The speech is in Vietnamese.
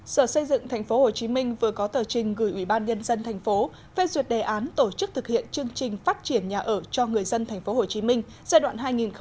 sở xây dựng tp hcm vừa có tờ trình gửi ủy ban nhân dân tp phê duyệt đề án tổ chức thực hiện chương trình phát triển nhà ở cho người dân tp hcm giai đoạn hai nghìn một mươi sáu hai nghìn hai mươi